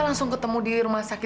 ling mi radang aku